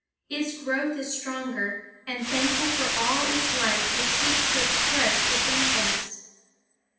Its growth is stronger, and thankful for all its life it seeks to express this thankfulness.